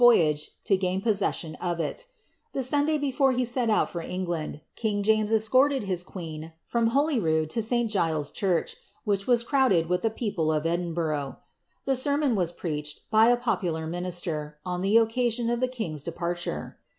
.... nje lo irnin possession of it The Similay before he set out fur Englanif, king James esrorted hi= queen from Ilolyrood lo St. Giles' Church, which was crowded niih :he people of Edinhurgh. A sermon was preached, by a popular miniiier. on the occasion of the king's departure.